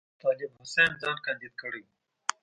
طالب حسین ځان کاندید کړی وو.